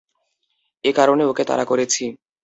এ কারণে ওকে তাড়া করেছি।